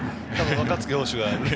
若月捕手が。